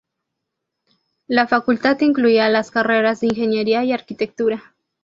La Facultad incluía las carreras de Ingeniería y Arquitectura.